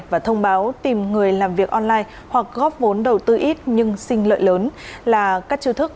và thông báo tìm người làm việc online hoặc góp vốn đầu tư ít nhưng xin lợi lớn là các chiêu thức